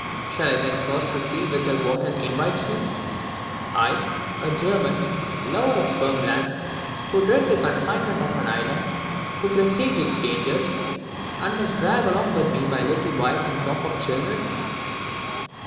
Shall I then cross the sea whither Wotton invites me? I, a German, a lover of firm land, who dread the confinement of an island, who presage its dangers, and must drag along with me my little wife and flock of children?"